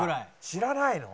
「知らないの？」